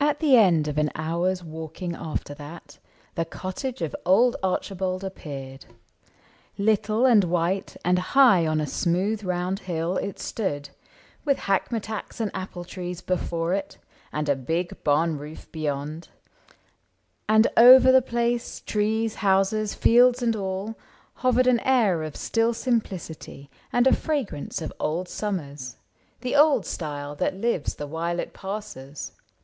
At the end of an hour's walking after that The cottage of old Archibald appeared. ' Little and white and high on a smooth round hill It stood, with hackmatacks and apple trees Before it, and a big barn roof beyond ; And over the place — trees, houses, fields and all — ISAAC AND ARCHIBALD 91 Hovered an air of still simplicity And a fragrance of old summers — the old style That lives the while it passes.